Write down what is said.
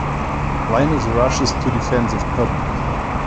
Lioness Rushes to Defense of Cub.